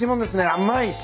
甘いし。